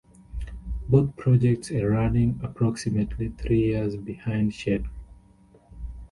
Both projects are running approximately three years behind schedule.